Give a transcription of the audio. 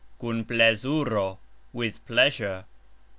Kun plezuro. With pleasure.